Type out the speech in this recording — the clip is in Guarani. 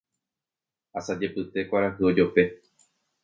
Asajepyte kuarahy ojope.